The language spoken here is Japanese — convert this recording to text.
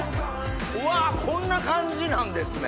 うわこんな感じなんですね。